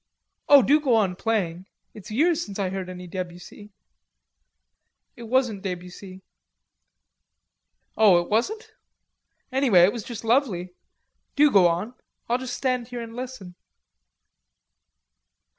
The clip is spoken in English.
"Oh, do go on playing. It's years since I heard any Debussy." "It wasn't Debussy." "Oh, wasn't it? Anyway it was just lovely. Do go on. I'll just stand here and listen."